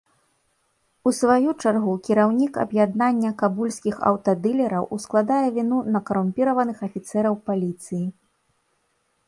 У сваю чаргу, кіраўнік аб'яднання кабульскіх аўтадылераў ускладае віну на карумпіраваных афіцэраў паліцыі.